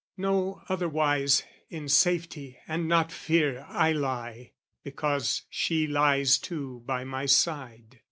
"No otherwise, in safety and not fear, "I lie, because she lies too by my side."